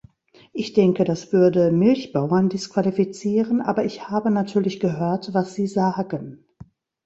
Ich denke, das würde Milchbauern disqualifizieren aber ich habe natürlich gehört, was Sie sagen.